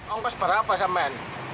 ongkos berapa sama men